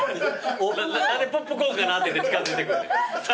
何でポップコーンかなって近づいてくんねん。